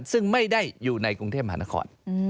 ซึ่งไม่ได้อยู่ในกรุงเทพมหานคร